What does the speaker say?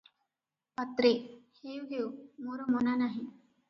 ପାତ୍ରେ- ହେଉ ହେଉ, ମୋର ମନା ନାହିଁ ।